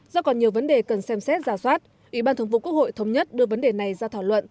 do còn nhiều vấn đề cần xem xét giả soát ủy ban thường vụ quốc hội thống nhất đưa vấn đề này ra thảo luận